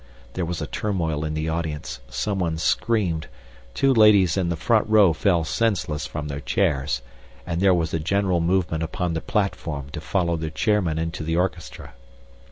There was a turmoil in the audience someone screamed, two ladies in the front row fell senseless from their chairs, and there was a general movement upon the platform to follow their chairman into the orchestra.